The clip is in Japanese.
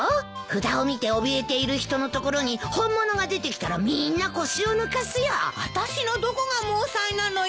札を見ておびえている人のところに本物が出てきたらみーんな腰を抜かすよ。あたしのどこが猛妻なのよ！？